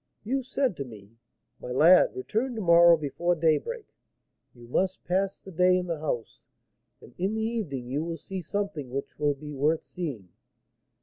You said to me, 'My lad, return to morrow before daybreak; you must pass the day in the house, and in the evening you will see something which will be worth seeing.'